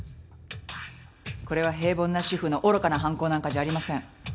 これは平凡な主婦の愚かな犯行なんかじゃありません。